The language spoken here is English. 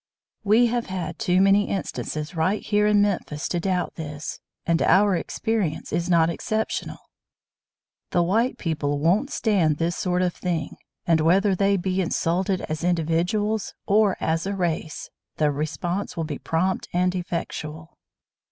We have had too many instances right here in Memphis to doubt this, and our experience is not exceptional. _The white people won't stand this sort of thing, and whether they be insulted as individuals are as a race, the response will be prompt and effectual.